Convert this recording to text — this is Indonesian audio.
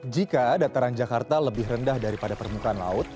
jika dataran jakarta lebih rendah daripada permukaan laut